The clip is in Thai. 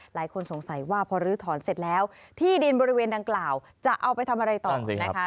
หลายคนสงสัยว่าพอลื้อถอนเสร็จแล้วที่ดินบริเวณดังกล่าวจะเอาไปทำอะไรต่อนะคะ